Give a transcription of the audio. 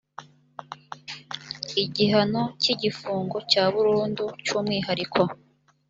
igihano cy’igifungo cya burundu cy’umwihariko